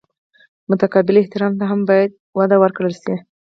متقابل احترام ته هم باید وده ورکړل شي.